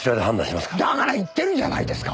だから言ってるじゃないですか！